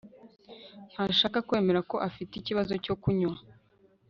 Ntashaka kwemera ko afite ikibazo cyo kunywa